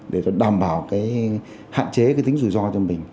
để đảm bảo hạn chế tính rủi ro cho mình